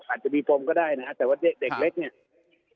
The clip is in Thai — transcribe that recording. อาจจะมีปมก็ได้นะฮะแต่ว่าเด็กเล็กเนี่ย